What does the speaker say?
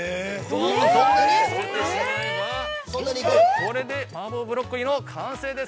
◆これで麻婆ブロッコリーの完成です。